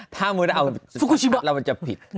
ถ้ามือได้เอาสุโกชิบะแล้วมันจะผิด